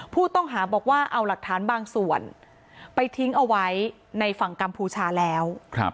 ผู้ต้องหาบอกว่าเอาหลักฐานบางส่วนไปทิ้งเอาไว้ในฝั่งกัมพูชาแล้ว